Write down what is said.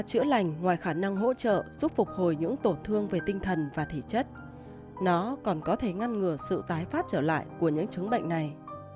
chữa lành ngoài khả năng hỗ trợ giúp phục hồi những tổn thương về tinh thần và thể chất nó còn có thể ngăn ngừa sự tái phát trở lại của những chứng bệnh này